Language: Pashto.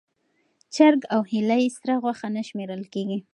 چرګ او هیلۍ سره غوښه نه شمېرل کېږي.